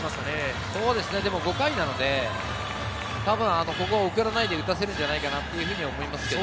でも５回なのでここは送らないで打たせるんじゃないかなと見ています。